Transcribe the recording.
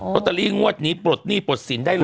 ตเตอรี่งวดนี้ปลดหนี้ปลดสินได้เลย